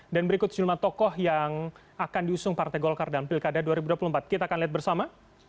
dan berikut sejumlah tokoh yang akan diusung partai golkar dalam pilkada dua ribu dua puluh empat kita akan lihat bersama